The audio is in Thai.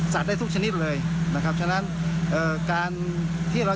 ไม่ถึง๕บาท